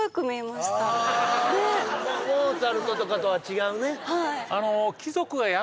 あモーツァルトとかとは違うね